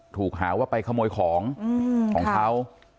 ถูกหาว่าไปขโมยของของเขา